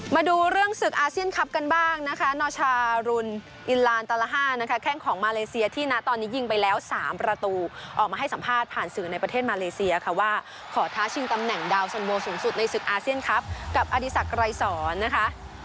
มาดูเรื่องศึกอาเซียนคลับกันบ้างนะคะนชารุนอินลานตาละ๕นะคะแข้งของมาเลเซียที่นะตอนนี้ยิงไปแล้ว๓ประตูออกมาให้สัมภาษณ์ผ่านสื่อในประเทศมาเลเซียค่ะว่าขอท้าชิงตำแหน่งดาวสันโบสูงสุดในศึกอาเซียนครับกับอดีศักดรายสอนนะคะ